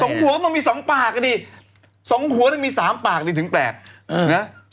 สองหัวก็ต้องมีสองปากกันดิสองหัวต้องมีสามปากดิถึงแปลกเออ